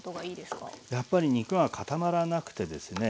やっぱり肉が固まらなくてですね